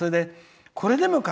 これでもか！